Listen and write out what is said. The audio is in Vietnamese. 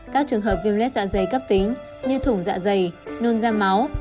các trường hợp viêm lết dạ dày cấp tính như thủng dạ dày nôn da máu